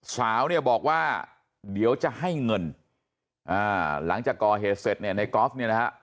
สาวเนี่ยบอกว่าเดี๋ยวจะให้เงินอ่าหลังจากก่อเหตุเสร็จเนี่ยในกอล์ฟเนี่ยนะฮะ